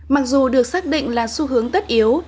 mặc dù được xác định là xu hướng tất yếu